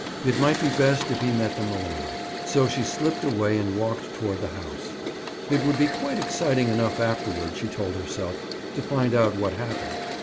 It might be best if he met them alone. So she slipped away and walked toward the house. It would be quite exciting enough afterward, she told herself, to find out what happened.